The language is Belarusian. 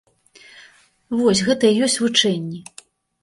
Вось, гэта і ёсць вучэнні.